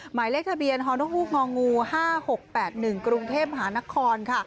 หมายเลขทะเบียนฮนกฮูกง๕๖๘๑กรุงเทพมหานครค่ะ